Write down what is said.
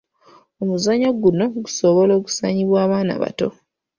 Omuzannyo guno gusobola okuzannyibwa abaana abato.